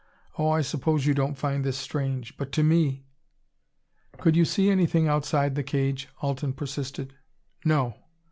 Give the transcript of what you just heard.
Oh, I suppose you don't find this strange; but to me !""Could you see anything outside the cage?" Alten persisted. "No.